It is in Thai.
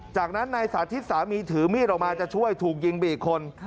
จากนั้นนายสาธิตสามีถือมีดออกมาจะช่วยถูกยิงไปอีกคน